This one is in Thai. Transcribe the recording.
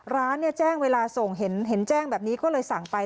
ร้านแจ้งเวลาส่งเห็นแจ้งแบบนี้ก็เลยสั่งไป